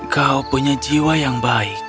kau punya jiwa yang baik